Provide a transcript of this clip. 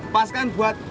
pas kan buat